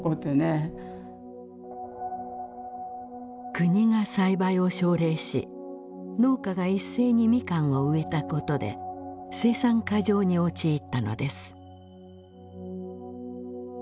国が栽培を奨励し農家が一斉にミカンを植えたことで生産過剰に陥ったのです。